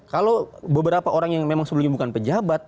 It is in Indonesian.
kalau beberapa orang yang memang sebelumnya bukan pejabat